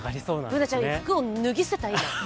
Ｂｏｏｎａちゃん、今、服を脱ぎ捨てた？